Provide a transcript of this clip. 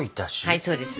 はいそうです。